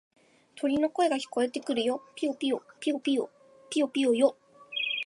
鳥の声が聞こえてくるよ。ぴよぴよ、ぴよぴよ、ぴよぴよよ。